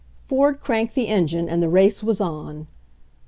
Ford cranked the engine, and the race was on.